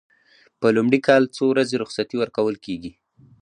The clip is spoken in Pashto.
په لومړي کال څو ورځې رخصتي ورکول کیږي؟